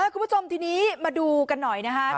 คุณผู้ชมทีนี้มาดูกันหน่อยนะครับ